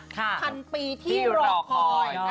พันปีที่รอคอย